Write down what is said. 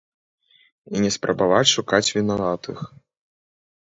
І не спрабаваць шукаць вінаватых.